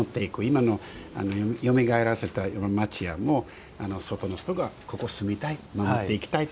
今のよみがえらせた町家も外の人がここ住みたい守っていきたいと。